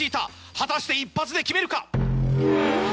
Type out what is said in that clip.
果たして一発で決めるか？